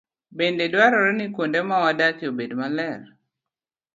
Bende dwarore ni kuonde ma wadakie obed maler.